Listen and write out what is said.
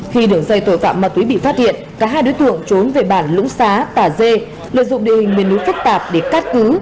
khi đường dây tội phạm màu túy bị phát hiện cả hai đối tượng trốn về bản lưỡng xá tà dê lợi dụng địa hình nguyên lũ phức tạp để cắt cứ